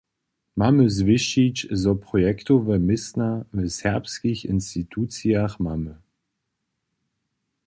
Mamy zwěsćić, zo projektowe městna w serbskich institucijach mamy.